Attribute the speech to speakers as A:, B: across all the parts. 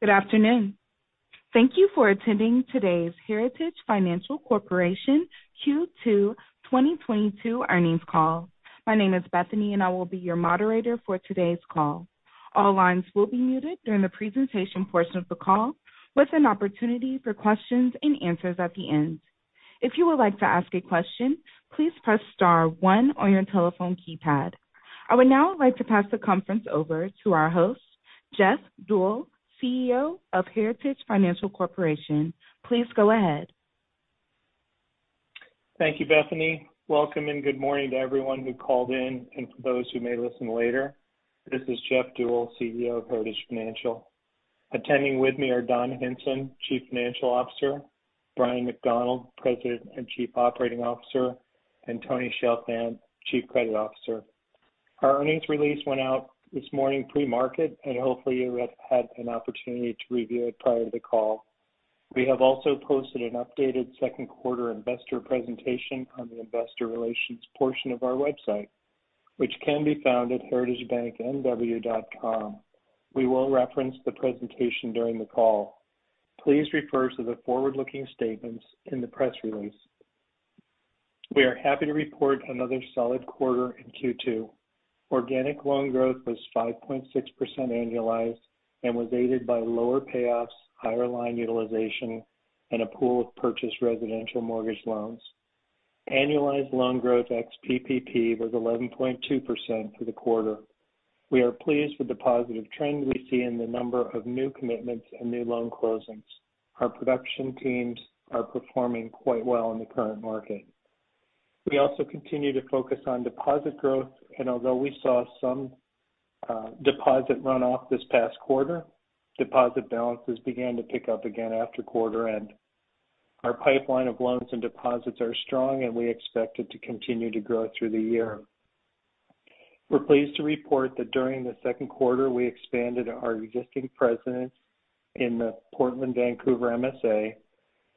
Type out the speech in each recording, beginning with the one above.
A: Good afternoon. Thank you for attending today's Heritage Financial Corporation Q2 2022 earnings call. My name is Bethany, and I will be your moderator for today's call. All lines will be muted during the presentation portion of the call with an opportunity for questions and answers at the end. If you would like to ask a question, please press star one on your telephone keypad. I would now like to pass the conference over to our host, Jeff Deuel, CEO of Heritage Financial Corporation. Please go ahead.
B: Thank you, Bethany. Welcome and good morning to everyone who called in and for those who may listen later. This is Jeff Deuel, CEO of Heritage Financial. Attending with me are Don Hinson, Chief Financial Officer, Bryan McDonald, President and Chief Operating Officer, and Tony Chalfant, Chief Credit Officer. Our earnings release went out this morning pre-market, and hopefully you have had an opportunity to review it prior to the call. We have also posted an updated second quarter investor presentation on the investor relations portion of our website, which can be found at heritagebanknw.com. We will reference the presentation during the call. Please refer to the forward-looking statements in the press release. We are happy to report another solid quarter in Q2. Organic loan growth was 5.6% annualized and was aided by lower payoffs, higher line utilization, and a pool of purchased residential mortgage loans. Annualized loan growth ex PPP was 11.2% for the quarter. We are pleased with the positive trend we see in the number of new commitments and new loan closings. Our production teams are performing quite well in the current market. We also continue to focus on deposit growth, and although we saw some deposit runoff this past quarter, deposit balances began to pick up again after quarter end. Our pipeline of loans and deposits are strong, and we expect it to continue to grow through the year. We're pleased to report that during the second quarter we expanded our existing presence in the Portland-Vancouver MSA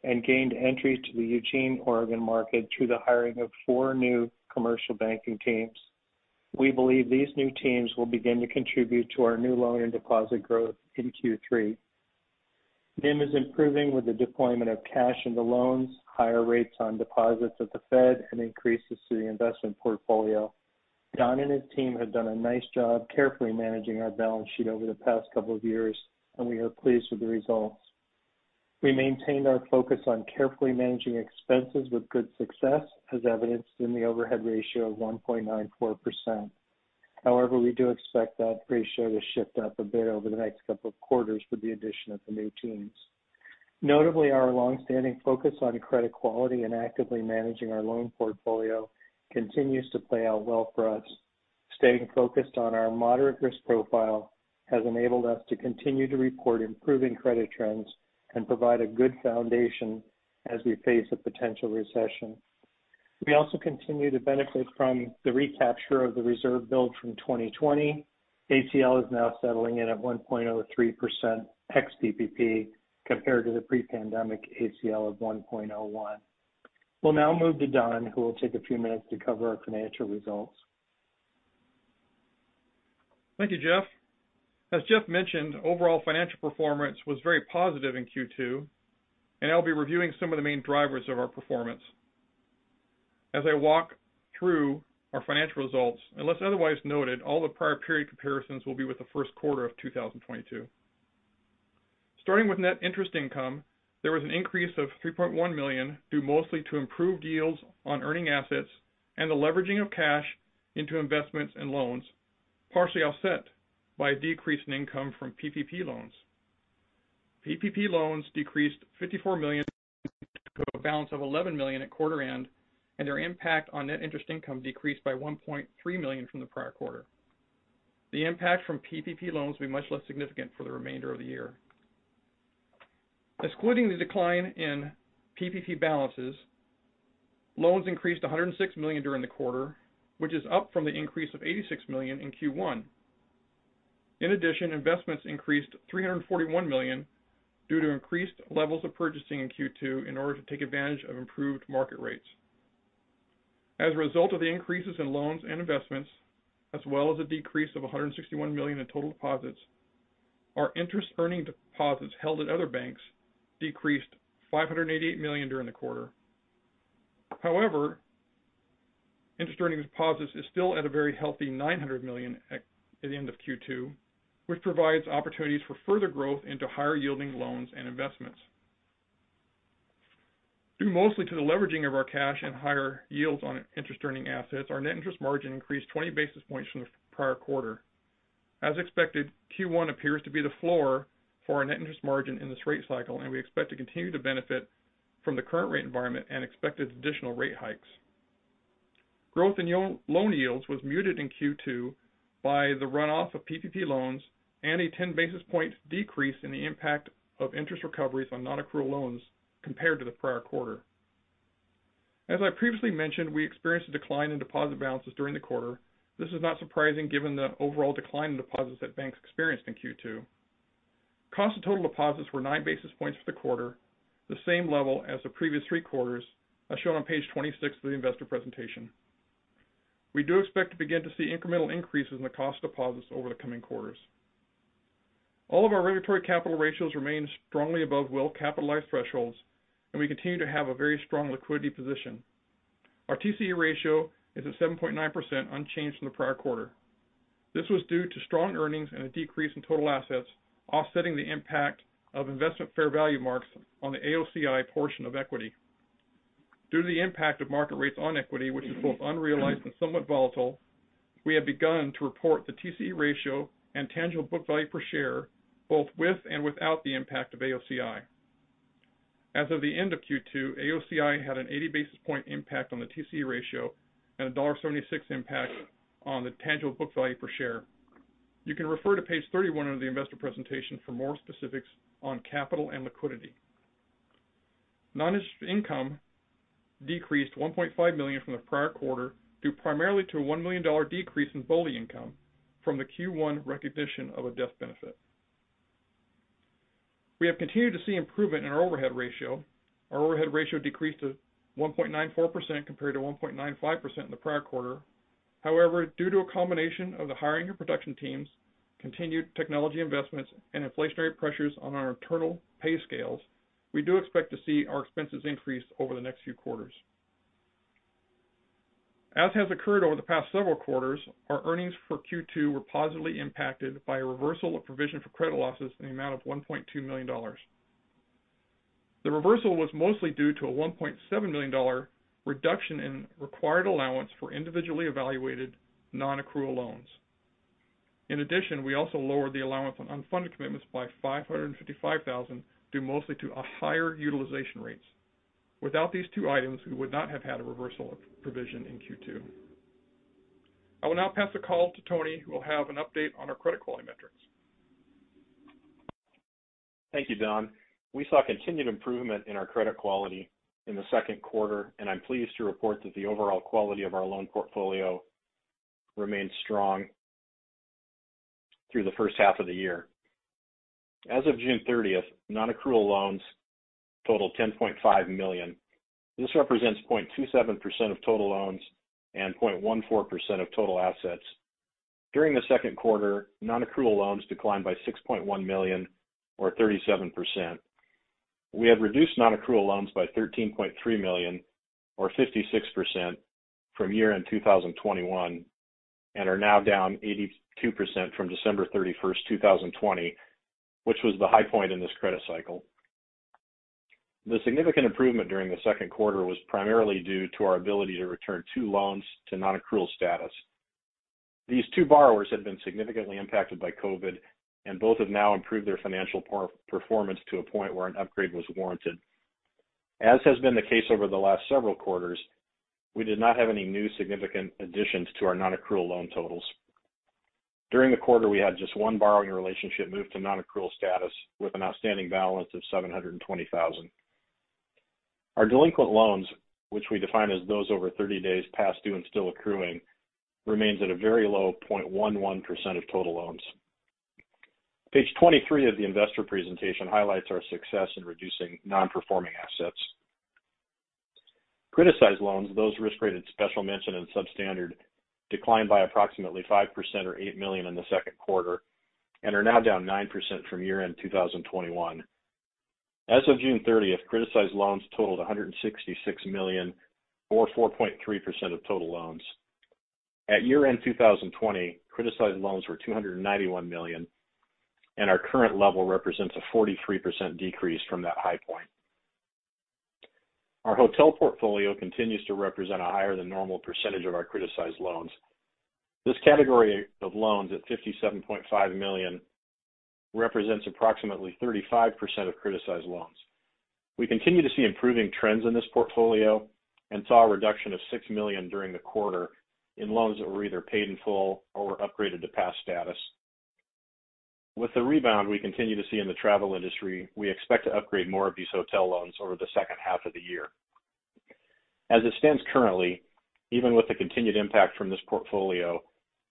B: and gained entry to the Eugene, Oregon market through the hiring of four new commercial banking teams. We believe these new teams will begin to contribute to our new loan and deposit growth in Q3. NIM is improving with the deployment of cash into loans, higher rates on deposits at the Fed, and increases to the investment portfolio. Don and his team have done a nice job carefully managing our balance sheet over the past couple of years, and we are pleased with the results. We maintained our focus on carefully managing expenses with good success, as evidenced in the overhead ratio of 1.94%. However, we do expect that ratio to shift up a bit over the next couple of quarters with the addition of the new teams. Notably, our long-standing focus on credit quality and actively managing our loan portfolio continues to play out well for us. Staying focused on our moderate risk profile has enabled us to continue to report improving credit trends and provide a good foundation as we face a potential recession. We also continue to benefit from the recapture of the reserve build from 2020. ACL is now settling in at 1.03% ex PPP compared to the pre-pandemic ACL of 1.01. We'll now move to Don, who will take a few minutes to cover our financial results.
C: Thank you, Jeff. As Jeff mentioned, overall financial performance was very positive in Q2, and I'll be reviewing some of the main drivers of our performance. As I walk through our financial results, unless otherwise noted, all the prior period comparisons will be with the first quarter of 2022. Starting with net interest income, there was an increase of $3.1 million, due mostly to improved yields on earning assets and the leveraging of cash into investments and loans, partially offset by a decrease in income from PPP loans. PPP loans decreased $54 million to a balance of $11 million at quarter end, and their impact on net interest income decreased by $1.3 million from the prior quarter. The impact from PPP loans will be much less significant for the remainder of the year. Excluding the decline in PPP balances, loans increased $106 million during the quarter, which is up from the increase of $86 million in Q1. In addition, investments increased $341 million due to increased levels of purchasing in Q2 in order to take advantage of improved market rates. As a result of the increases in loans and investments, as well as a decrease of $161 million in total deposits, our interest earning deposits held at other banks decreased $588 million during the quarter. However, interest earning deposits is still at a very healthy $900 million at the end of Q2, which provides opportunities for further growth into higher yielding loans and investments. Due mostly to the leveraging of our cash and higher yields on interest earning assets, our net interest margin increased 20 basis points from the prior quarter. As expected, Q1 appears to be the floor for our net interest margin in this rate cycle, and we expect to continue to benefit from the current rate environment and expected additional rate hikes. Growth in loan yields was muted in Q2 by the runoff of PPP loans and a 10 basis point decrease in the impact of interest recoveries on non-accrual loans compared to the prior quarter. As I previously mentioned, we experienced a decline in deposit balances during the quarter. This is not surprising given the overall decline in deposits that banks experienced in Q2. Cost of total deposits were 9 basis points for the quarter, the same level as the previous three quarters, as shown on page 26 of the investor presentation. We do expect to begin to see incremental increases in the cost deposits over the coming quarters. All of our regulatory capital ratios remain strongly above well-capitalized thresholds, and we continue to have a very strong liquidity position. Our TCE ratio is at 7.9%, unchanged from the prior quarter. This was due to strong earnings and a decrease in total assets, offsetting the impact of investment fair value marks on the AOCI portion of equity. Due to the impact of market rates on equity, which is both unrealized and somewhat volatile, we have begun to report the TCE ratio and tangible book value per share, both with and without the impact of AOCI. As of the end of Q2, AOCI had an 80 basis point impact on the TCE ratio and a $1.76 impact on the tangible book value per share. You can refer to page 31 of the investor presentation for more specifics on capital and liquidity. Non-interest income decreased $1.5 million from the prior quarter, due primarily to a $1 million decrease in BOLI income from the Q1 recognition of a death benefit. We have continued to see improvement in our overhead ratio. Our overhead ratio decreased to 1.94% compared to 1.95% in the prior quarter. However, due to a combination of the hiring of production teams, continued technology investments, and inflationary pressures on our internal pay scales, we do expect to see our expenses increase over the next few quarters. As has occurred over the past several quarters, our earnings for Q2 were positively impacted by a reversal of provision for credit losses in the amount of $1.2 million. The reversal was mostly due to a $1.7 million reduction in required allowance for individually evaluated non-accrual loans. In addition, we also lowered the allowance on unfunded commitments by $555 thousand, due mostly to a higher utilization rates. Without these two items, we would not have had a reversal of provision in Q2. I will now pass the call to Tony, who will have an update on our credit quality metrics.
D: Thank you, Don. We saw continued improvement in our credit quality in the second quarter, and I'm pleased to report that the overall quality of our loan portfolio remains strong through the first half of the year. As of June 30th, non-accrual loans totaled $10.5 million. This represents 0.27% of total loans and 0.14% of total assets. During the second quarter, non-accrual loans declined by $6.1 million or 37%. We have reduced non-accrual loans by $13.3 million or 56% from year-end 2021, and are now down 82% from December 31st, 2020, which was the high point in this credit cycle. The significant improvement during the second quarter was primarily due to our ability to return two loans from non-accrual status. These two borrowers had been significantly impacted by COVID, and both have now improved their financial performance to a point where an upgrade was warranted. As has been the case over the last several quarters, we did not have any new significant additions to our non-accrual loan totals. During the quarter, we had just one borrowing relationship move to non-accrual status with an outstanding balance of $720,000. Our delinquent loans, which we define as those over 30 days past due and still accruing, remains at a very low 0.11% of total loans. Page 23 of the investor presentation highlights our success in reducing non-performing assets. Criticized loans, those risk rated special mention and substandard, declined by approximately 5% or $8 million in the second quarter, and are now down 9% from year-end 2021. As of June 30th, criticized loans totaled $166 million or 4.3% of total loans. At year-end 2020, criticized loans were $291 million, and our current level represents a 43% decrease from that high point. Our hotel portfolio continues to represent a higher than normal percentage of our criticized loans. This category of loans at $57.5 million represents approximately 35% of criticized loans. We continue to see improving trends in this portfolio and saw a reduction of $6 million during the quarter in loans that were either paid in full or upgraded to pass status. With the rebound we continue to see in the travel industry, we expect to upgrade more of these hotel loans over the second half of the year. As it stands currently, even with the continued impact from this portfolio,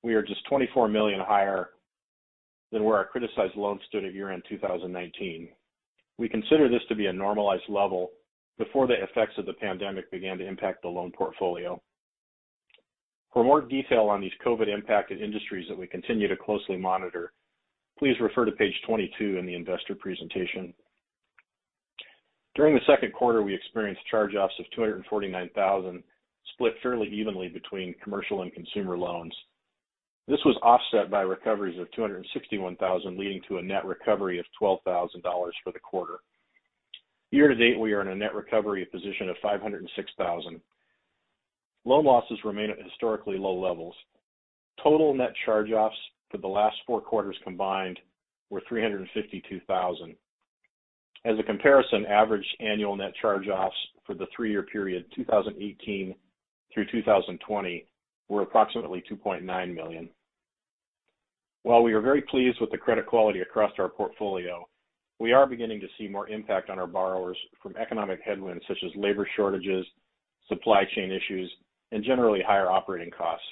D: we are just $24 million higher than where our criticized loans stood at year-end 2019. We consider this to be a normalized level before the effects of the pandemic began to impact the loan portfolio. For more detail on these COVID-impacted industries that we continue to closely monitor, please refer to page 22 in the investor presentation. During the second quarter, we experienced charge-offs of $249,000, split fairly evenly between commercial and consumer loans. This was offset by recoveries of $261,000, leading to a net recovery of $12,000 for the quarter. Year to date, we are in a net recovery position of $506,000. Loan losses remain at historically low levels. Total net charge-offs for the last four quarters combined were $352,000. As a comparison, average annual net charge-offs for the three year period, 2018 through 2020, were approximately $2.9 million. While we are very pleased with the credit quality across our portfolio, we are beginning to see more impact on our borrowers from economic headwinds such as labor shortages, supply chain issues, and generally higher operating costs.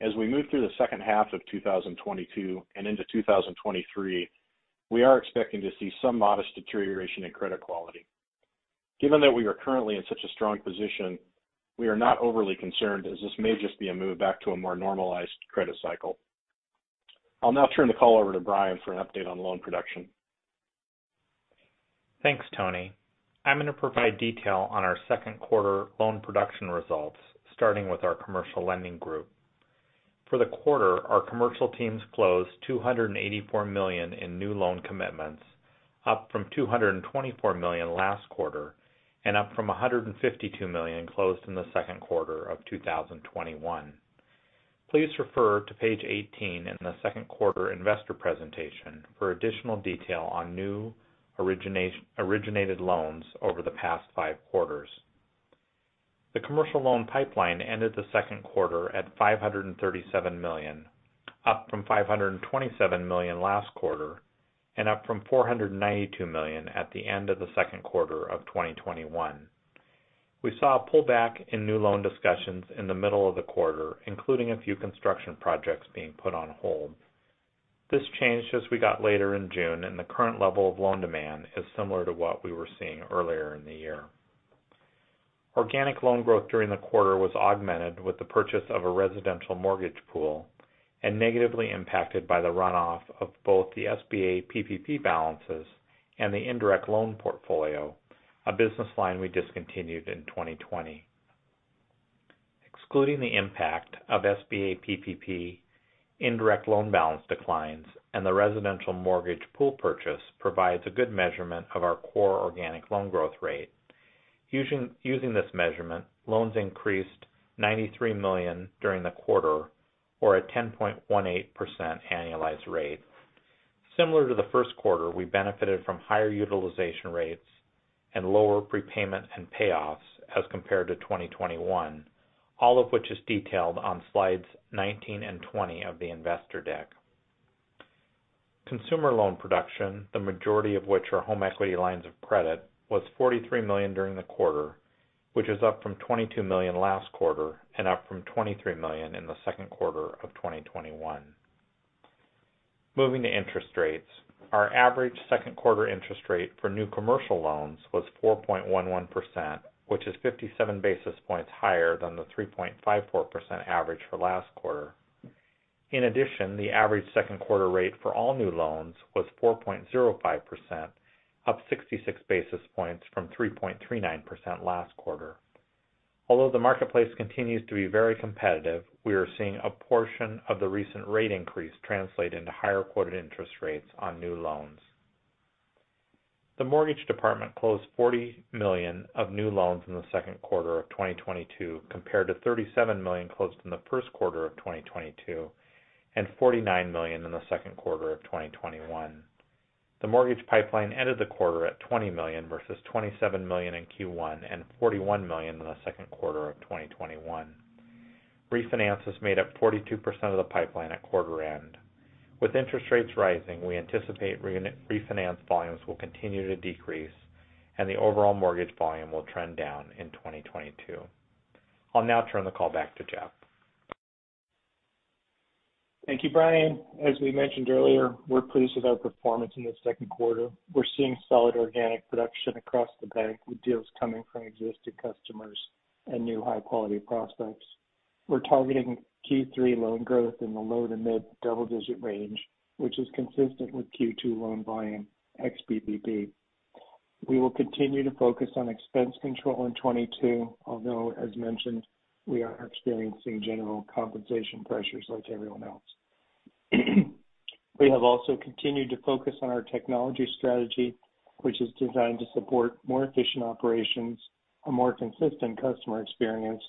D: As we move through the second half of 2022 and into 2023, we are expecting to see some modest deterioration in credit quality. Given that we are currently in such a strong position, we are not overly concerned as this may just be a move back to a more normalized credit cycle. I'll now turn the call over to Bryan for an update on loan production.
E: Thanks, Tony. I'm gonna provide detail on our second quarter loan production results, starting with our commercial lending group. For the quarter, our commercial teams closed $284 million in new loan commitments, up from $224 million last quarter and up from $152 million closed in the second quarter of 2021. Please refer to page 18 in the second quarter investor presentation for additional detail on new originated loans over the past five quarters. The commercial loan pipeline ended the second quarter at $537 million, up from $527 million last quarter and up from $492 million at the end of the second quarter of 2021. We saw a pullback in new loan discussions in the middle of the quarter, including a few construction projects being put on hold. This changed as we got later in June, and the current level of loan demand is similar to what we were seeing earlier in the year. Organic loan growth during the quarter was augmented with the purchase of a residential mortgage pool and negatively impacted by the runoff of both the SBA PPP balances and the indirect loan portfolio, a business line we discontinued in 2020. Excluding the impact of SBA PPP, indirect loan balance declines, and the residential mortgage pool purchase provides a good measurement of our core organic loan growth rate. Using this measurement, loans increased $93 million during the quarter or at 10.18% annualized rate. Similar to the first quarter, we benefited from higher utilization rates and lower prepayment and payoffs as compared to 2021. All of which is detailed on slides 19 and 20 of the investor deck. Consumer loan production, the majority of which are home equity lines of credit, was $43 million during the quarter, which is up from $22 million last quarter and up from $23 million in the second quarter of 2021. Moving to interest rates. Our average second quarter interest rate for new commercial loans was 4.11%, which is 57 basis points higher than the 3.54% average for last quarter. In addition, the average second quarter rate for all new loans was 4.05%, up 66 basis points from 3.39% last quarter. Although the marketplace continues to be very competitive, we are seeing a portion of the recent rate increase translate into higher quoted interest rates on new loans. The mortgage department closed $40 million of new loans in the second quarter of 2022 compared to $37 million closed in the first quarter of 2022 and $49 million in the second quarter of 2021. The mortgage pipeline ended the quarter at $20 million versus $27 million in Q1 and $41 million in the second quarter of 2021. Refinances made up 42% of the pipeline at quarter end. With interest rates rising, we anticipate refinance volumes will continue to decrease and the overall mortgage volume will trend down in 2022. I'll now turn the call back to Jeff.
B: Thank you, Bryan. As we mentioned earlier, we're pleased with our performance in the second quarter. We're seeing solid organic production across the bank, with deals coming from existing customers and new high-quality prospects. We're targeting Q3 loan growth in the low to mid-double digit range, which is consistent with Q2 loan volume ex PPP. We will continue to focus on expense control in 2022, although as mentioned, we are experiencing general compensation pressures like everyone else. We have also continued to focus on our technology strategy, which is designed to support more efficient operations, a more consistent customer experience,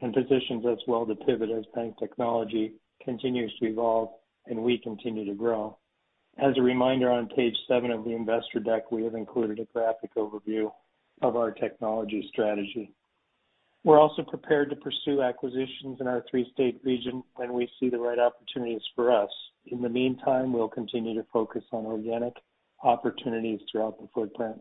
B: and positions us well to pivot as bank technology continues to evolve and we continue to grow. As a reminder, on page seven of the investor deck, we have included a graphic overview of our technology strategy. We're also prepared to pursue acquisitions in our three-state region when we see the right opportunities for us. In the meantime, we'll continue to focus on organic opportunities throughout the footprint.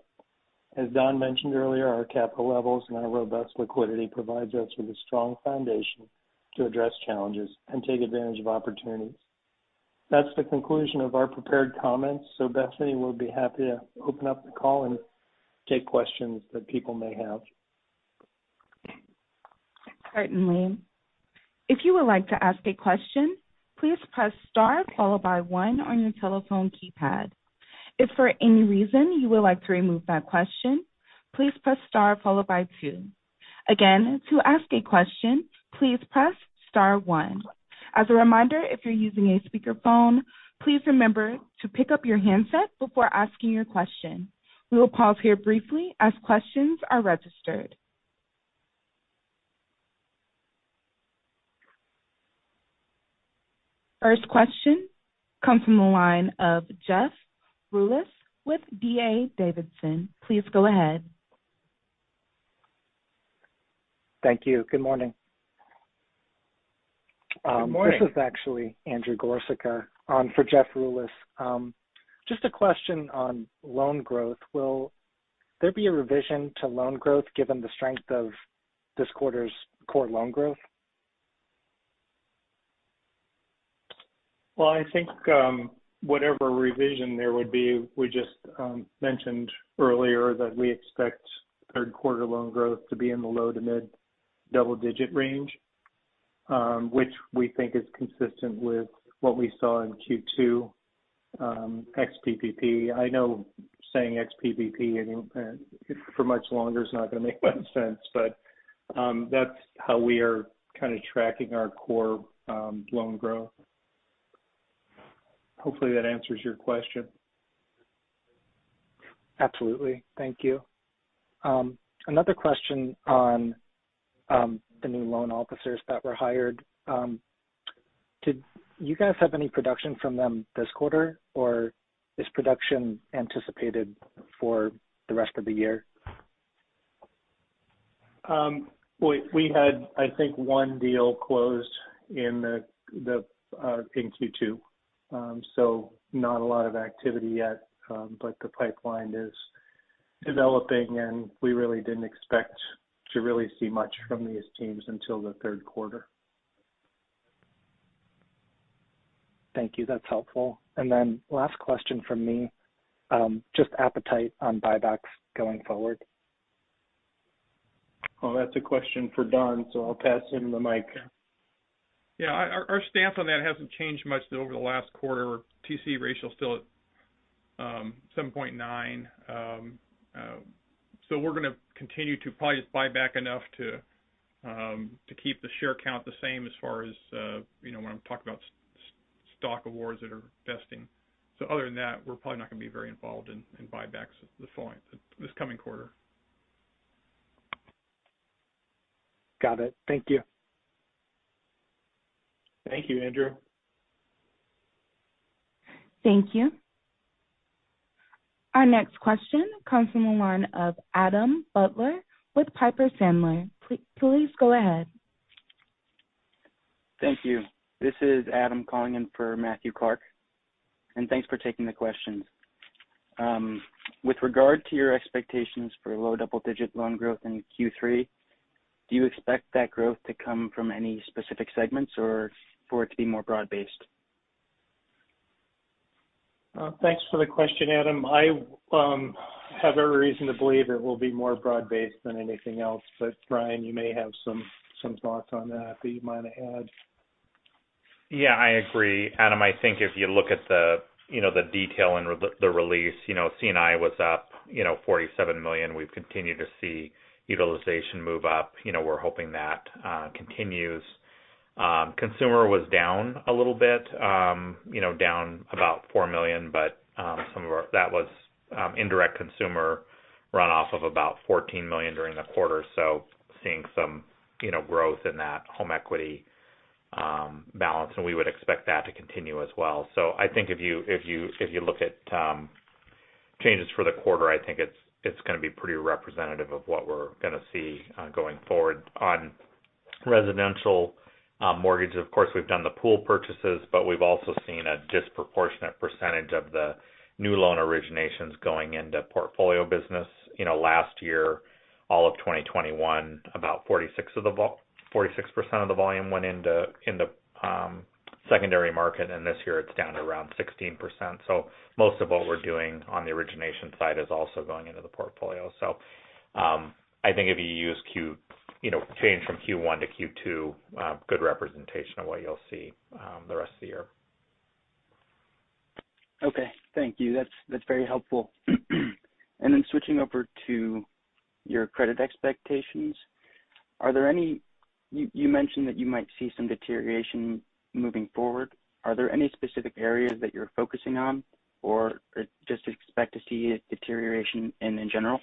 B: As Don mentioned earlier, our capital levels and our robust liquidity provides us with a strong foundation to address challenges and take advantage of opportunities. That's the conclusion of our prepared comments. Bethany will be happy to open up the call and take questions that people may have.
A: Certainly. If you would like to ask a question, please press star followed by one on your telephone keypad. If for any reason you would like to remove that question, please press star followed by two. Again, to ask a question, please press star one. As a reminder, if you're using a speakerphone, please remember to pick up your handset before asking your question. We will pause here briefly as questions are registered. First question comes from the line of Jeff Rulis with D.A. Davidson. Please go ahead.
F: Thank you. Good morning.
B: Good morning.
F: This is actually Andrew Liesch on for Jeff Rulis. Just a question on loan growth. Will there be a revision to loan growth given the strength of this quarter's core loan growth?
B: Well, I think, whatever revision there would be, we just mentioned earlier that we expect third quarter loan growth to be in the low to mid double-digit range, which we think is consistent with what we saw in Q2, ex PPP. I know saying ex PPP for much longer is not gonna make much sense. That's how we are kind of tracking our core loan growth. Hopefully that answers your question.
F: Absolutely. Thank you. Another question on the new loan officers that were hired. Did you guys have any production from them this quarter, or is production anticipated for the rest of the year?
B: We had, I think, one deal closed in Q2. Not a lot of activity yet, but the pipeline is developing, and we really didn't expect to really see much from these teams until the third quarter.
F: Thank you. That's helpful. Last question from me, just appetite on buybacks going forward.
B: Oh, that's a question for Don, so I'll pass him the mic.
C: Yeah. Our stance on that hasn't changed much over the last quarter. TCE ratio is still at 7.9. We're gonna continue to probably just buy back enough to keep the share count the same as far as you know when I'm talking about stock awards that are vesting. Other than that, we're probably not gonna be very involved in buybacks this coming quarter.
F: Got it. Thank you.
C: Thank you, Andrew.
A: Thank you. Our next question comes from the line of Adam Kroll with Piper Sandler. Please go ahead.
G: Thank you. This is Adam calling in for Matthew Clark. Thanks for taking the questions. With regard to your expectations for low double-digit loan growth in Q3, do you expect that growth to come from any specific segments or for it to be more broad-based?
B: Thanks for the question, Adam. I have every reason to believe it will be more broad-based than anything else. Bryan, you may have some thoughts on that you might add.
E: Yeah, I agree. Adam, I think if you look at the detail in the release, you know, C&I was up $47 million. We've continued to see utilization move up. You know, we're hoping that continues. Consumer was down a little bit, you know, down about $4 million. But that was indirect consumer runoff of about $14 million during the quarter. Seeing some growth in that home equity balance, and we would expect that to continue as well. I think if you look at changes for the quarter, I think it's gonna be pretty representative of what we're gonna see going forward. On residential mortgage, of course, we've done the pool purchases, but we've also seen a disproportionate percentage of the new loan originations going into portfolio business. You know, last year, all of 2021, about 46% of the volume went into the secondary market, and this year it's down around 16%. Most of what we're doing on the origination side is also going into the portfolio. I think if you use the change from Q1 to Q2, good representation of what you'll see the rest of the year.
G: Okay. Thank you. That's very helpful. Switching over to your credit expectations. You mentioned that you might see some deterioration moving forward. Are there any specific areas that you're focusing on or just expect to see a deterioration in general?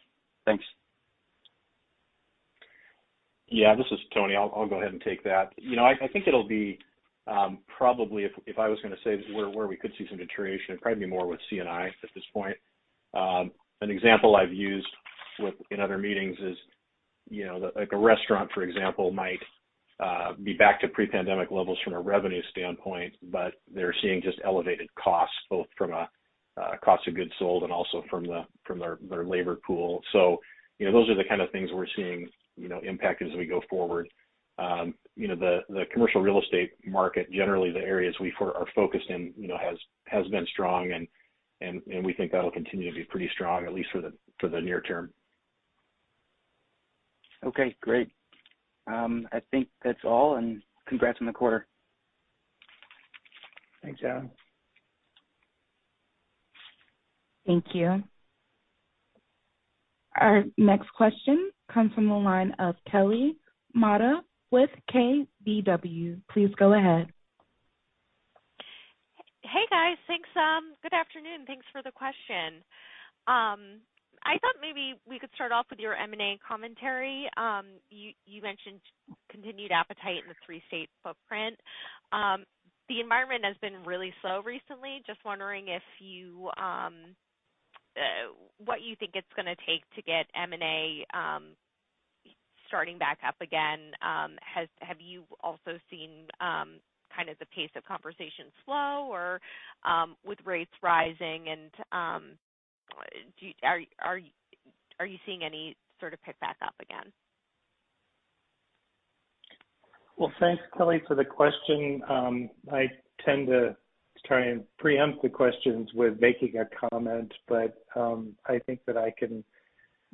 G: Thanks.
D: Yeah. This is Tony. I'll go ahead and take that. You know, I think it'll be probably if I was gonna say where we could see some deterioration, it'd probably be more with C&I at this point. An example I've used in other meetings is, you know, like a restaurant, for example, might be back to pre-pandemic levels from a revenue standpoint, but they're seeing just elevated costs both from a cost of goods sold and also from their labor pool. You know, those are the kind of things we're seeing, you know, impact as we go forward. You know, the commercial real estate market, generally the areas we are focused in, you know, has been strong and we think that'll continue to be pretty strong, at least for the near term.
G: Okay, great. I think that's all, and congrats on the quarter.
B: Thanks, Adam.
A: Thank you. Our next question comes from the line of Kelly Motta with KBW. Please go ahead.
H: Hey, guys. Thanks. Good afternoon. Thanks for the question. I thought maybe we could start off with your M&A commentary. You mentioned continued appetite in the three-state footprint. The environment has been really slow recently. Just wondering if you what you think it's gonna take to get M&A starting back up again. Have you also seen kind of the pace of conversation slow or, with rates rising and, are you seeing any sort of pick back up again? Well, thanks, Kelly, for the question. I tend to try and preempt the questions with making a comment, but I think that I can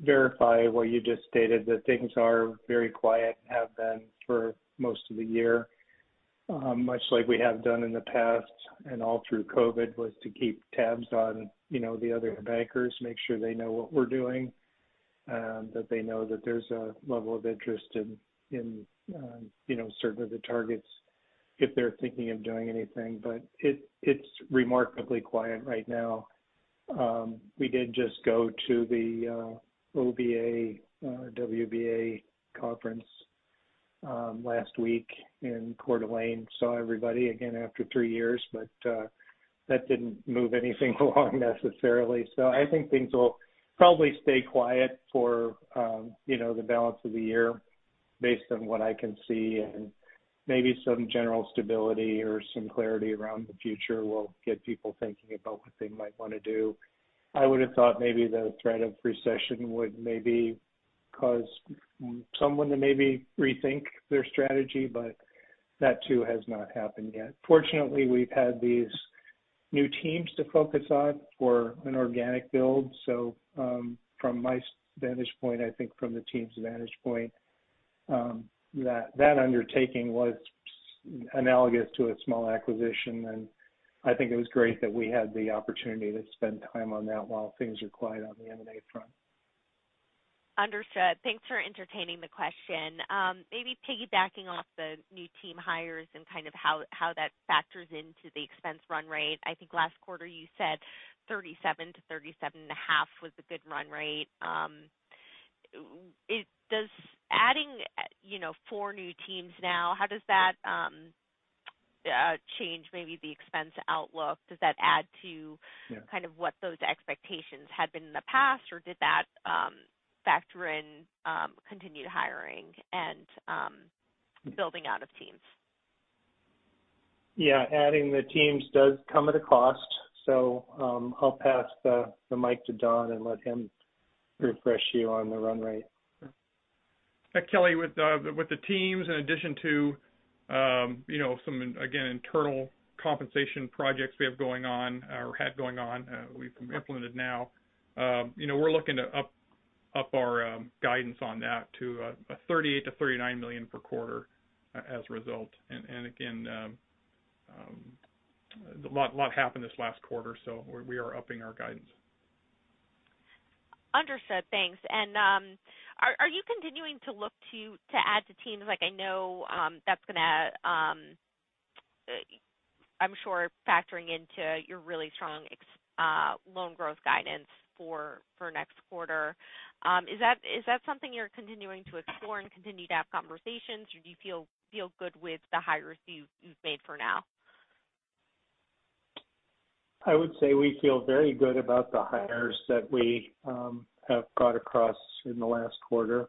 H: verify what you just stated, that things are very quiet, have been for most of the year.
B: Much like we have done in the past and all through COVID, was to keep tabs on, you know, the other bankers, make sure they know what we're doing, that they know that there's a level of interest in, you know, certainly the targets if they're thinking of doing anything. It's remarkably quiet right now. We did just go to the OBA/WBA conference last week in Coeur d'Alene. Saw everybody again after three years. That didn't move anything along necessarily. I think things will probably stay quiet for, you know, the balance of the year based on what I can see. Maybe some general stability or some clarity around the future will get people thinking about what they might wanna do. I would have thought maybe the threat of recession would maybe cause someone to maybe rethink their strategy, but that too has not happened yet. Fortunately, we've had these new teams to focus on for an organic build. From my vantage point, I think from the team's vantage point, that undertaking was analogous to a small acquisition. I think it was great that we had the opportunity to spend time on that while things are quiet on the M&A front.
H: Understood. Thanks for entertaining the question. Maybe piggybacking off the new team hires and kind of how that factors into the expense run rate. I think last quarter you said $37-$37.5 was the good run rate. Does adding, you know, four new teams now, how does that change maybe the expense outlook? Does that add to
B: Yeah.
H: kind of what those expectations had been in the past, or did that factor in continued hiring and building out of teams?
B: Yeah, adding the teams does come at a cost. I'll pass the mic to Don and let him refresh you on the run rate.
C: Yeah. Kelly, with the teams, in addition to you know some again internal compensation projects we have going on or had going on, we've implemented now, you know, we're looking to up our guidance on that to $38 million-$39 million per quarter as a result. Again, a lot happened this last quarter. We are upping our guidance.
H: Understood. Thanks. Are you continuing to look to add to teams like I know that's gonna I'm sure factoring into your really strong loan growth guidance for next quarter. Is that something you're continuing to explore and continue to have conversations, or do you feel good with the hires you've made for now?
B: I would say we feel very good about the hires that we have got across in the last quarter.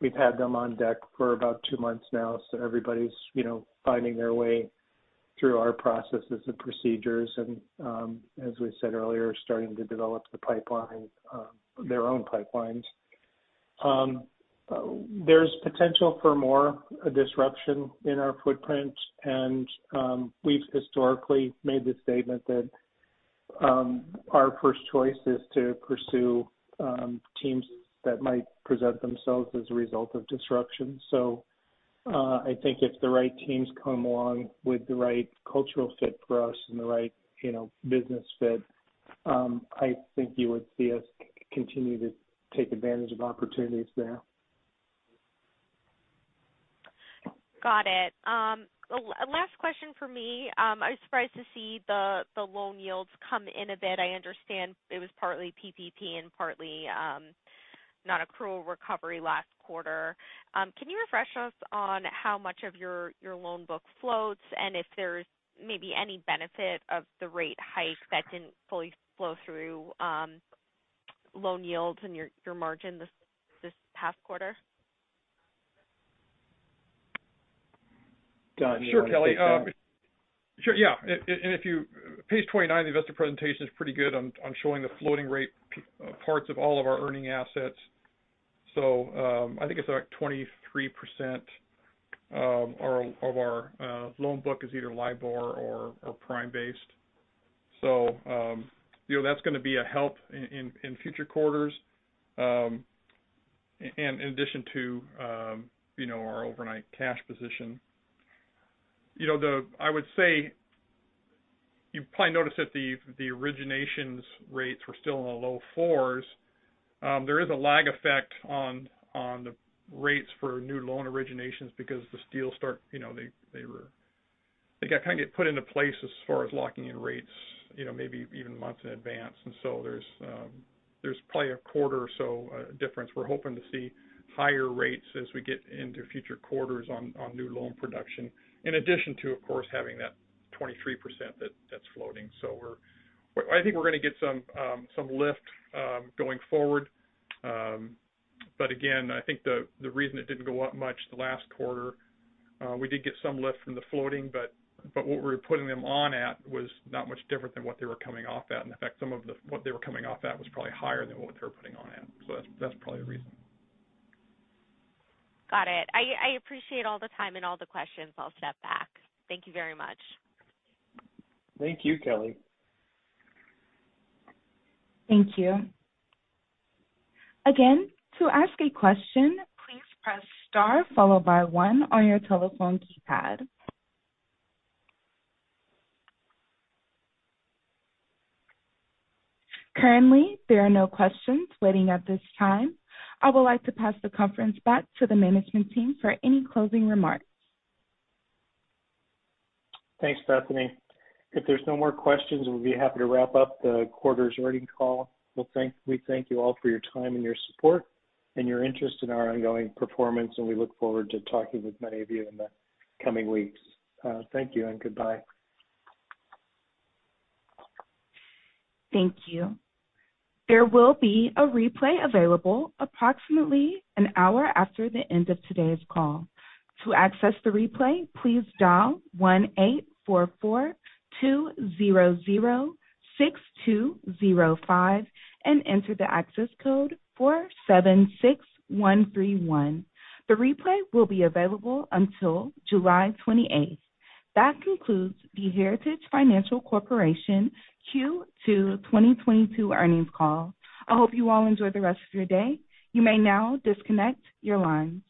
B: We've had them on deck for about two months now, so everybody's, you know, finding their way through our processes and procedures and, as we said earlier, starting to develop the pipeline, their own pipelines. There's potential for more disruption in our footprint. We've historically made the statement that our first choice is to pursue teams that might present themselves as a result of disruption. I think if the right teams come along with the right cultural fit for us and the right, you know, business fit, I think you would see us continue to take advantage of opportunities there.
H: Got it. Last question for me. I was surprised to see the loan yields come in a bit. I understand it was partly PPP and partly non-accrual recovery last quarter. Can you refresh us on how much of your loan book floats and if there's maybe any benefit of the rate hike that didn't fully flow through loan yields and your margin this past quarter?
B: Don, you want to take that?
C: Sure, Kelly. Sure. Yeah. Page 29, the investor presentation is pretty good on showing the floating rate parts of all of our earning assets. I think it's like 23% of our loan book is either LIBOR or prime-based. You know, that's gonna be a help in future quarters. In addition to, you know, our overnight cash position. You know, I would say you probably noticed that the originations rates were still in the low fours. There is a lag effect on the rates for new loan originations because the deals start, you know, they got kind of put into place as far as locking in rates, you know, maybe even months in advance. There's probably a quarter or so difference. We're hoping to see higher rates as we get into future quarters on new loan production, in addition to, of course, having that 23% that's floating. I think we're gonna get some lift going forward. Again, I think the reason it didn't go up much the last quarter, we did get some lift from the floating, but what we were putting them on at was not much different than what they were coming off at. In fact, what they were coming off at was probably higher than what they were putting on at. That's probably the reason.
H: Got it. I appreciate all the time and all the questions. I'll step back. Thank you very much.
B: Thank you, Kelly.
A: Thank you. Again, to ask a question, please press star followed by one on your telephone keypad. Currently, there are no questions waiting at this time. I would like to pass the conference back to the management team for any closing remarks.
B: Thanks, Bethany. If there's no more questions, we'll be happy to wrap up the quarter's earnings call. We thank you all for your time and your support and your interest in our ongoing performance, and we look forward to talking with many of you in the coming weeks. Thank you and goodbye.
A: Thank you. There will be a replay available approximately an hour after the end of today's call. To access the replay, please dial 1-844-200-6205 and enter the access code 476131. The replay will be available until July 28. That concludes the Heritage Financial Corporation Q2 2022 earnings call. I hope you all enjoy the rest of your day. You may now disconnect your lines.